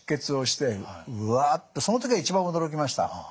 その時が一番驚きました。